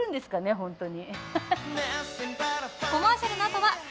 本当に。